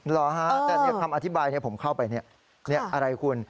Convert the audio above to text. เหรอฮะแต่คำอธิบายผมเข้าไปอะไรคุณ